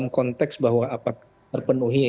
konteks bahwa apakah terpenuhi